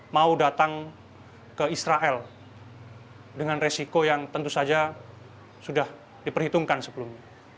mau datang ke israel dengan resiko yang tentu saja sudah diperhitungkan sebelumnya